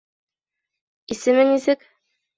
Исеме нисек?